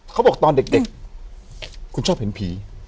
เขาบอกตอนเด็กคุณชอบเห็นผี